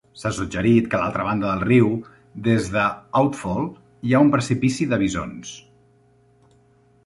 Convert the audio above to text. S'ha suggerit que a l'altra banda del riu des de "Outfall" hi ha un precipici de bisons.